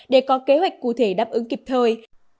để có kế hoạch cụ thể đáp ứng kịp thời